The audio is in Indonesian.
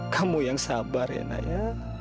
kamu yang sabar ya naya